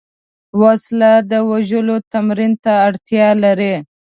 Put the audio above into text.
وسله د وژلو تمرین ته اړتیا لري